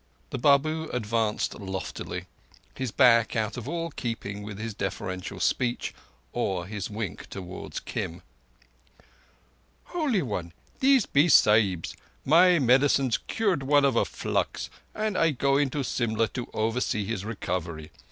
The Babu advanced loftily; his back out of all keeping with his deferential speech, or his wink towards Kim. "Holy One, these be Sahibs. My medicines cured one of a flux, and I go into Simla to oversee his recovery.